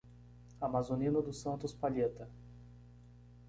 Amazonina dos Santos Palheta